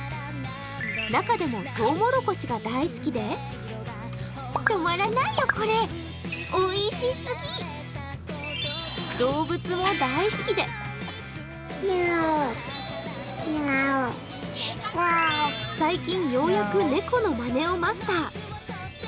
中でもとうもろこしが大好きで動物も大好きで最近ようやく猫のまねをマスター。